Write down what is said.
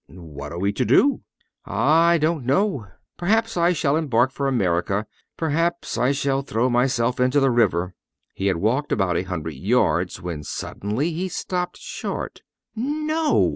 '" "What are we to do?" "Ah! I don't know. Perhaps I shall embark for America perhaps I shall throw myself into the river." He had walked about a hundred yards when suddenly he stopped short. "No!"